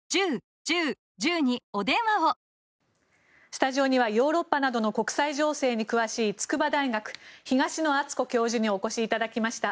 スタジオにはヨーロッパなどの国際情勢に詳しい筑波大学、東野篤子教授にお越しいただきました。